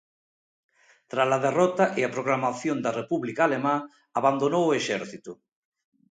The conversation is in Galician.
Trala derrota e a proclamación da República alemá, abandonou o exército.